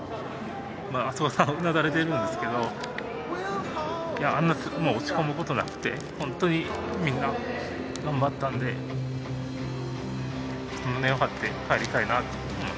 あそこでうなだれてるんですけどあんな落ち込むことなくてホントにみんな頑張ったんでちょっと胸を張って帰りたいなと思います。